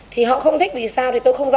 thì họ không thích vì sao thì tôi không ra